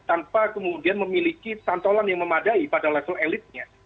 tanpa kemudian memiliki santolan yang memadai pada level elitnya